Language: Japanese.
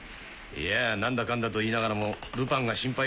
いや何だかんだと言いながらもルパンが心配か。